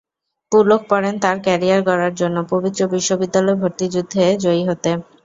পুলক পড়েন তাঁর ক্যারিয়ার গড়ার জন্য, পবিত্র বিশ্ববিদ্যালয় ভর্তিযুদ্ধে জয়ী হতে।